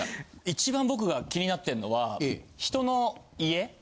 一番僕が気になってんのは人の家。